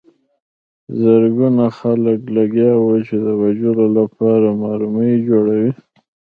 زرګونه خلک لګیا وو چې د وژلو لپاره مرمۍ جوړې کړي